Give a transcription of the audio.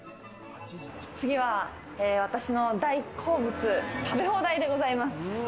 次は私の大好物、食べ放題でございます。